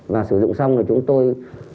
và sử dụng xong rồi chúng tôi